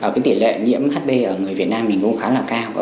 cái tỉ lệ nhiễm hp ở người việt nam mình cũng khá là cao